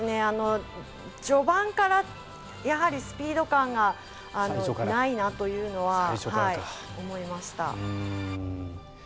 序盤からスピード感がないなというのは思いました。